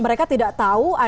mereka tidak tahu